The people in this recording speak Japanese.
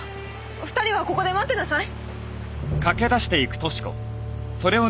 ２人はここで待ってなさい。